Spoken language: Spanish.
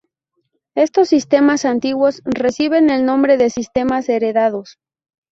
Estos sistemas antiguos reciben el nombre de sistemas heredados.